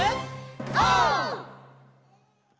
オー！